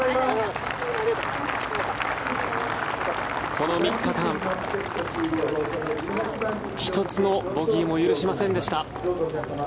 この３日間、１つのボギーも許しませんでした。